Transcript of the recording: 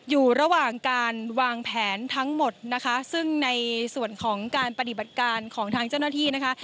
อยู่ระหว่างการวางแผนทั้งหมดนะคะซึ่งในส่วนของการปฏิบัติการของทางเจ้าหน้าที่นะคะ